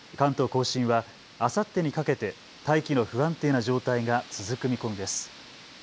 甲信はあさってにかけて大気の不安定な状態が続く見込みです。